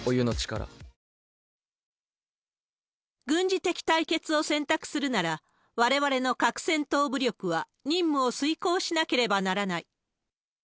軍事的対決を選択するなら、われわれの核戦闘武力は任務を遂行しなければならない。